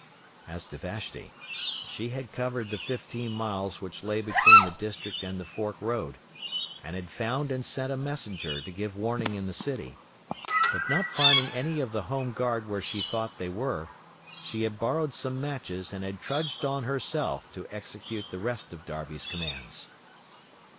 As to Vashti, she had covered the fifteen miles which lay between the district and the fork road; and had found and sent a messenger to give warning in the city; but not finding any of the homeguard where she thought they were, she had borrowed some matches and had trudged on herself to execute the rest of Darby's commands.